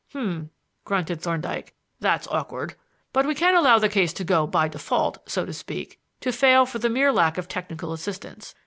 "H'm," grunted Thorndyke, "that's awkward. But we can't allow the case to go 'by default,' so to speak to fail for the mere lack of technical assistance.